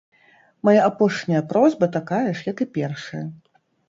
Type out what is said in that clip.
Мая апошняя просьба такая ж, як і першая.